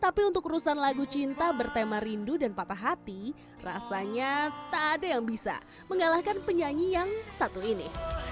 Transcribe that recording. tapi untuk urusan lagu cinta bertema rindu dan patah hati rasanya tak ada yang bisa mengalahkan penyanyi yang satu ini